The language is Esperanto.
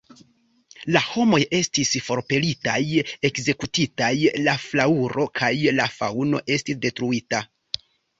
La homoj estis forpelitaj, ekzekutitaj; la flaŭro kaj la faŭno estis detruita.